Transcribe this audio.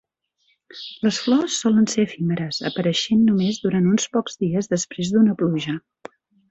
Les flors solen ser efímeres, apareixent només durant uns pocs dies després d'una pluja.